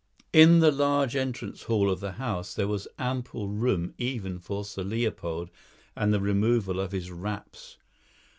In the large entrance hall of the house there was ample room even for Sir Leopold and the removal of his wraps.